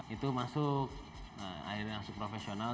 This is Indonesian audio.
itu masuk akhirnya langsung profesional